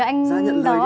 ra đi chứ